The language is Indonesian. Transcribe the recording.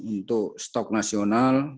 untuk stok nasional